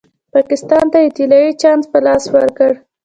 پاکستان ته طلايي چانس په لاس ورکړ.